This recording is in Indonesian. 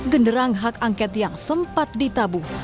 genderang hak angket yang sempat ditabung